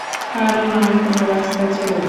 কারণ আর কোন রাস্তা ছিলো না।